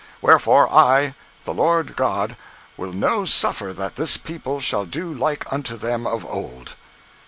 Wherefore, I the Lord God, will no suffer that this people shall do like unto them of old.